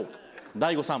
大悟さん